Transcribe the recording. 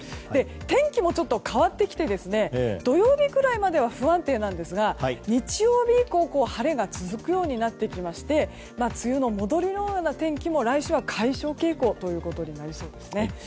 天気もちょっと変わってきて土曜日くらいまでは不安定なんですが日曜日以降晴れが続くようになってきまして梅雨の戻りのような天気も来週は解消傾向となりそうですね。